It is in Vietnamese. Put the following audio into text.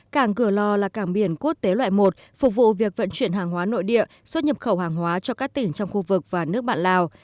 cảng cửa lò là cảng biển quốc tế loại một phục vụ việc vận chuyển hàng hóa nội địa xuất nhập khẩu hàng hóa cho các tỉnh trong khu vực và nước bạn lào